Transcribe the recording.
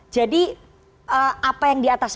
jadi apa yang di atas